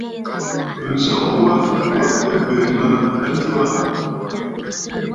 Ǹsɔŋ wa wa ɨ bè mə a ntswaà.